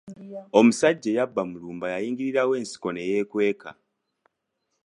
Omusajja eyabba Mulumba yayingirirawo ensiko ne yeekweka.